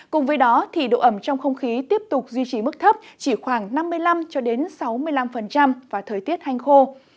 cùng với đó độ ẩm trong không khí tiếp tục duy trì mức thấp chỉ khoảng năm mươi năm sáu mươi năm và thời tiết hành khô